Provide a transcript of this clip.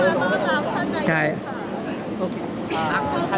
วันสวัสดีค่ะ